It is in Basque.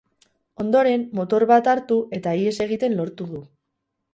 Ondoren, motor bat hartu eta ihes egiten lortu du.